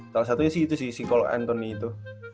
salah satunya sih itu si cole anthony itu